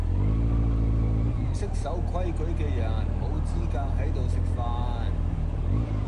唔識守規矩既人無資格喺度食飯